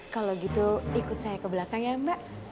kalau gitu ikut saya ke belakang ya mbak